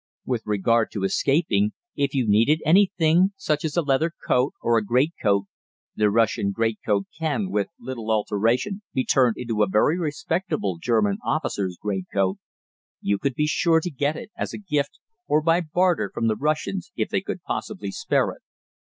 With regard to escaping, if you needed anything such as a leather coat or a greatcoat (the Russian greatcoat can, with little alteration, be turned into a very respectable German officer's greatcoat), you could be sure to get it as a gift or by barter from the Russians if they could possibly spare it.